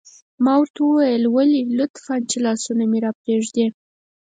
ما ورته وویل: ولې؟ لطفاً، چې لاسونه مې را پرېږدي.